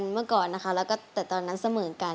จบไปแล้วแม่กะเร่อยกะหริบจริงเลยนะหูตาแพลวเลยลูกเอ๋ย